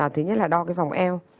thứ nhất là đo cái vòng eo